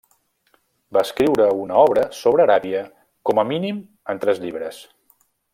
Va escriure una obra sobre Aràbia com a mínim en tres llibres.